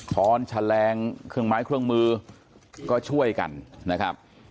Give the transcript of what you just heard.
้อนแฉลงเครื่องไม้เครื่องมือก็ช่วยกันนะครับ